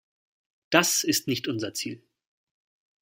Das ist nicht unser Ziel.